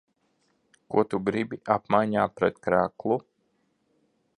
Ko tu gribi apmaiņā pret kreklu?